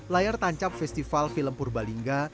layar tancap festival film purbalingga